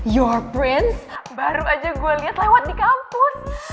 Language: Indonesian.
your prince baru aja gue lihat lewat di kampus